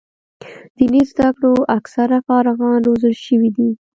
دیني زده کړو اکثره فارغان روزل شوي دي.